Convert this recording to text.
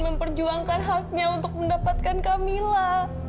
memperjuangkan haknya untuk mendapatkan camilla